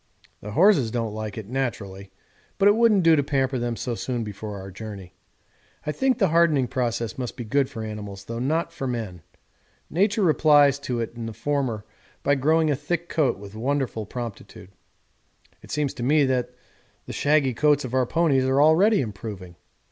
The horses don't like it, naturally, but it wouldn't do to pamper them so soon before our journey. I think the hardening process must be good for animals though not for men; nature replies to it in the former by growing a thick coat with wonderful promptitude. It seems to me that the shaggy coats of our ponies are already improving.